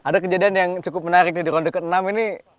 ada kejadian yang cukup menarik nih di ronde ke enam ini